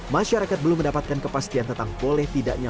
masyarakat belum mendapatkan kepastian tentang boleh tidaknya